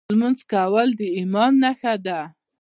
لمونځ کول د ایمان نښه ده .